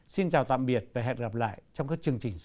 xin chào tạm biệt và hẹn gặp lại trong các chương trình sau